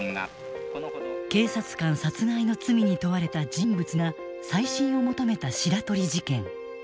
警察官殺害の罪に問われた人物が再審を求めた白鳥事件。